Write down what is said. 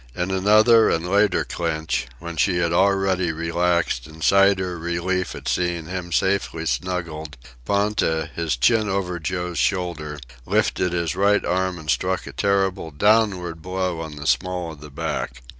In another and later clinch, when she had already relaxed and sighed her relief at seeing him safely snuggled, Ponta, his chin over Joe's shoulder, lifted his right arm and struck a terrible downward blow on the small of the back.